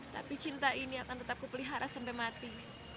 tapi cinta ini akan tetap kupelihara sampai mati